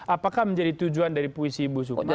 apakah menjadi tujuan dari puisi ibu sukma